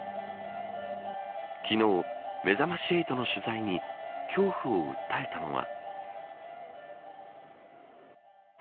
昨日、めざまし８の取材に恐怖を訴えたのは。